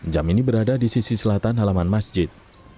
jam ini berada di sisi selatan halaman masjid